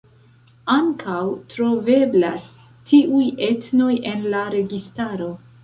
Ankaŭ troveblas tiuj etnoj en la registaro.